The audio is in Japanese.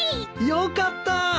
よかったー！